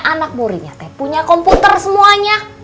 anak muri nyate punya komputer semuanya